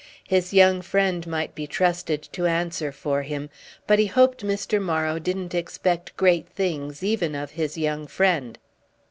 His young friend might be trusted to answer for him, but he hoped Mr. Morrow didn't expect great things even of his young friend.